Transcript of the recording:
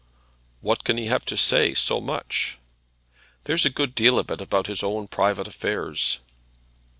"What can he have to say so much?" "There's a good deal of it is about his own private affairs."